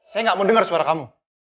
saya gak mau denger suara kamu